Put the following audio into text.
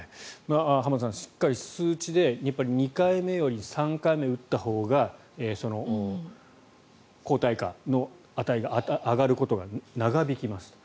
浜田さん、しっかり数値で２回目よりも３回目を打ったほうが抗体価の値が上がることが長引きますと。